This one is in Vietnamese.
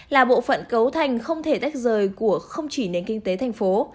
là bộ phận cấu thành không thể tách rời của không chỉ nền kinh tế thành phố